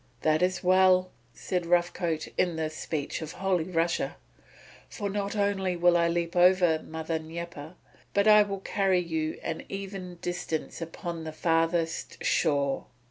"That is well," said Rough Coat, in the speech of Holy Russia, "for not only will I leap over Mother Dnieper, but I will carry you an even distance upon the farther shore.